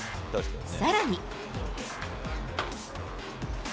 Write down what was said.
さらに。